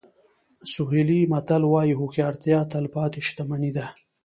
سوهیلي متل وایي هوښیارتیا تلپاتې شتمني ده.